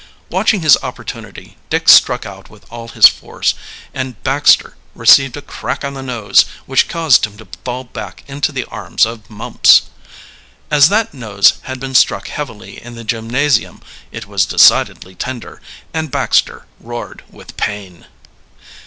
Watching his opportunity, Dick struck out with all his force, and Baxter received a crack on the nose which caused him to fall back into the arms of Mumps. As that nose had been struck heavily in the gymnasium, it was decidedly tender, and Baxter roared with pain.